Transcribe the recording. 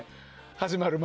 始まる前。